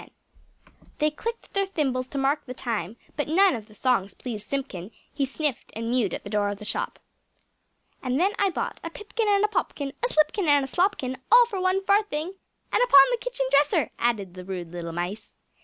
They clicked their thimbles to mark the time, but none of the songs pleased Simpkin; he sniffed and mewed at the door of the shop. "And then I bought A pipkin and a popkin, A slipkin and a slopkin, All for one farthing and upon the kitchen dresser!" added the rude little mice.